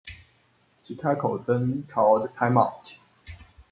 Chicago then called timeout.